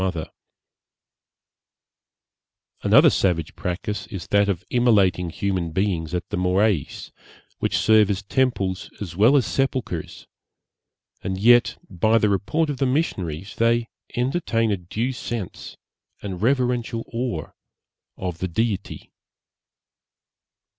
Another savage practice is that of immolating human beings at the Morais, which serve as temples as well as sepulchres, and yet, by the report of the missionaries, they entertain a due sense and reverential awe of the Deity.